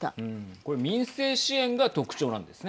これ民生支援が特徴なんですね。